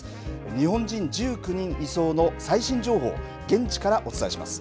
日本人１９人移送の最新情報、現地からお伝えします。